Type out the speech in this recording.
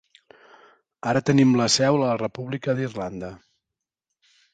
Ara tenim la seu a la República d'Irlanda.